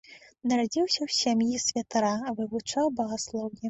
Нарадзіўся ў сям'і святара, вывучаў багаслоўе.